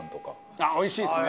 ああおいしいですね！